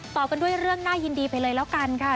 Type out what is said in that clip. ต่อกันด้วยเรื่องน่ายินดีไปเลยแล้วกันค่ะ